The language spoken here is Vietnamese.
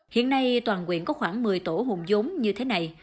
hiện nay toàn quyện có khoảng một mươi tổ hùng giống như thế này